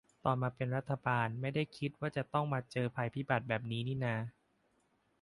ตอนจะมาเป็นรัฐบาลไม่ได้คิดว่าจะต้องมาเจอภัยพิบัติแบบนี่นา